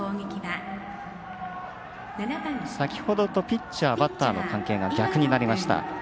先ほどとピッチャーとバッターの関係が逆になりました。